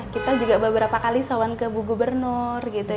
kita juga beberapa kali sawan ke bu gubernur gitu